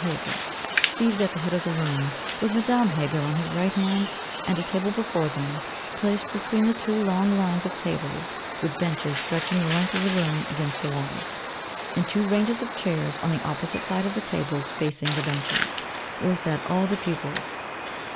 Heger, seated at the head of the room, with Madame Heger on his right hand, and a table before them, placed between the two long lines of tables with benches stretching the length of the room against the walls, and two ranges of chairs on the opposite side of the tables facing the benches, where sat all the pupils.